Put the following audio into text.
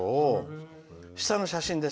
下の写真です。